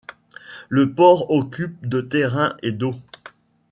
Le port occupe de terrain et d'eau.